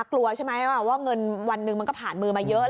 กลัวใช่ไหมว่าเงินวันหนึ่งมันก็ผ่านมือมาเยอะ